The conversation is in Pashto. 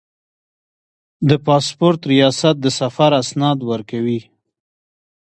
د پاسپورت ریاست د سفر اسناد ورکوي